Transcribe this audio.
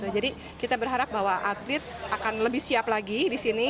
jadi kita berharap bahwa atlet akan lebih siap lagi di sini